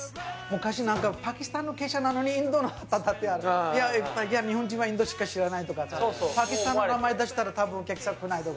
昔、パキスタン料理なのにインドの旗が立ってて日本人はインドしか知らないとかパキスタンの名前を出したらお客さんが来ないとか。